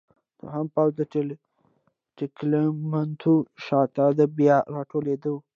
دوهم پوځ د ټګلیامنتو شاته د بیا راټولېدو.